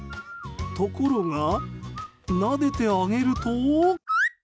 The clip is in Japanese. ところが、なでてあげると。